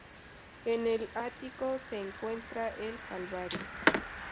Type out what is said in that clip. En el ático, se encuentra el Calvario.